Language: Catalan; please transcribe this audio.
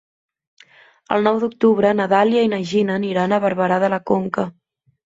El nou d'octubre na Dàlia i na Gina aniran a Barberà de la Conca.